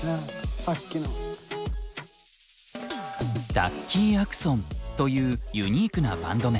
ダッキーアクソンというユニークなバンド名。